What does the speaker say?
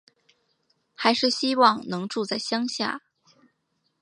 还是希望能住在乡下